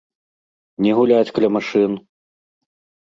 Не гуляць каля машын!